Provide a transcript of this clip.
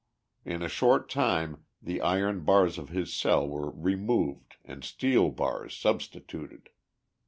In a short time the iron bars of his cell door were removed and steel bars substituted.